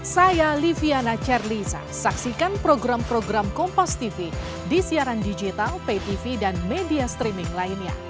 saya liviana cerlisa saksikan program program kompastv di siaran digital ptv dan media streaming lainnya